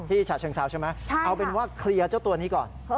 ฉะเชิงเซาใช่ไหมเอาเป็นว่าเคลียร์เจ้าตัวนี้ก่อน